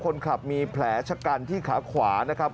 คนขับมีแผลชะกันที่ขาขวานะครับ